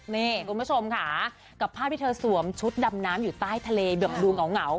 นี่คุณผู้ชมค่ะกับภาพที่เธอสวมชุดดำน้ำอยู่ใต้ทะเลแบบดูเหงา